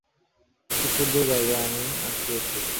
একটি ক্ষুদ্র জায়গায় আমি আটকে গেছি।